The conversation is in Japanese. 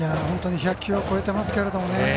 本当に１００球を超えていますけどね